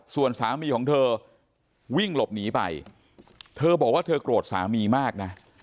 ส่วนสามีของเธอวิ่งหลบหนีไปเธอบอกว่าเธอโกรธสามีมากนะ